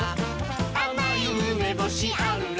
「あまいうめぼしあるらしい」